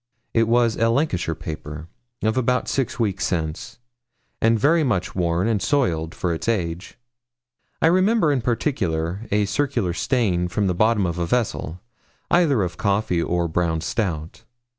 It was a Lancashire paper, of about six weeks since, and very much worn and soiled for its age. I remember in particular a circular stain from the bottom of a vessel, either of coffee or brown stout.